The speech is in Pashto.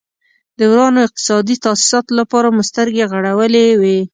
د ورانو اقتصادي تاسیساتو لپاره مو سترګې غړولې وې.